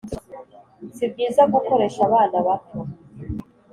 sibyiza gukoresha abana bato